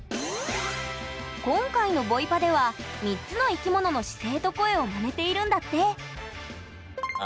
今回のボイパでは３つの生き物の姿勢と声をまねているんだって